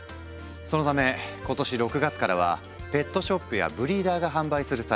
そのため今年６月からはペットショップやブリーダーが販売する際